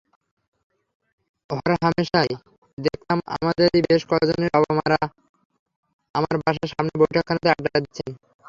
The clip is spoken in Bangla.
হরহামেশাই দেখতাম আমাদেরই বেশ কজনের বাবা–মারা আমার বাসার সামনের বৈঠকখানাতে আড্ডা দিচ্ছেন।